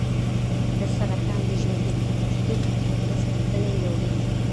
د سرطان د ژوندي پاتې کېدو کچه ورځ تر بلې لوړېږي.